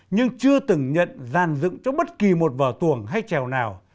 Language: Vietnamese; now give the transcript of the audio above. nhưng chưa từng nhận giàn dựng cho bất kỳ một vở tuồng hay trèo nào